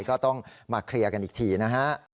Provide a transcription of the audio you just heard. ก็ต้องมาเคลียร์กันอีกทีนะฮะ